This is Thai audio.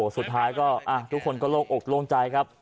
สุดท้ายทุกคนก็โอกอกลงใจครับ